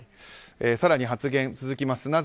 更に発言続きます。